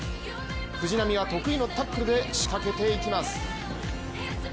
藤波は得意のタックルで仕掛けていきます。